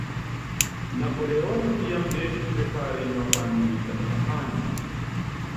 Napoleono tiam devis prepari novan militan kampanjon.